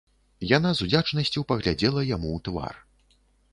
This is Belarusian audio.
Яна з удзячнасцю паглядзела яму ў твар.